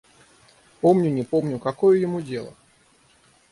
Помню, не помню... Какое ему дело?